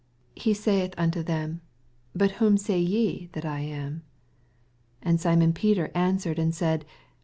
15 He saith unto them, Bat nrhom say ye that I am ? 16 And Simon Peter answered and «aid.